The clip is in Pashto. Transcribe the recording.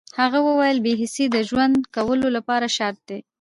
هغه وویل بې حسي د ژوند کولو لپاره شرط ده